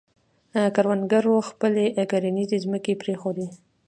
کروندګرو خپلې کرنیزې ځمکې پرېښودې.